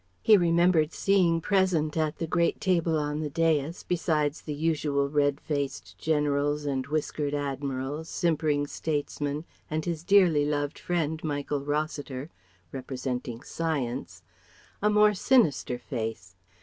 He remembered seeing present at the great table on the dais, besides the usual red faced generals and whiskered admirals, simpering statesmen, and his dearly loved friend, Michael Rossiter representing Science, a more sinister face.